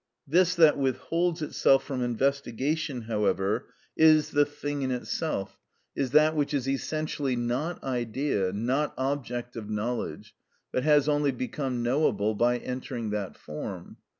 This that withholds itself from investigation, however, is the thing in itself, is that which is essentially not idea, not object of knowledge, but has only become knowable by entering that form.